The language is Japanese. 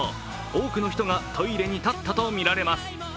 多くの人がトイレに立ったとみられます。